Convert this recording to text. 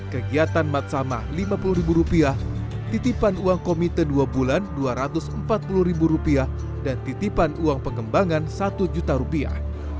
kegiatan mat sama lima puluh ribu rupiah titipan uang komite dua bulan dua ratus empat puluh ribu rupiah dan titipan uang pengembangan satu juta rupiah